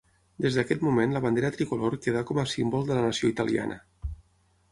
Des d'aquest moment la bandera tricolor quedà com a símbol de la nació italiana.